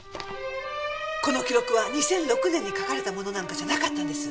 この記録は２００６年に書かれたものなんかじゃなかったんです。